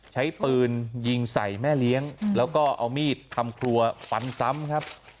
ใช้ปืนยิงใส่แม่เลี้ยงแล้วก็เอามีดทำครัวฟันซ้ำครับ